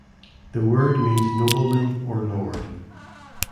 The word means "nobleman" or "lord".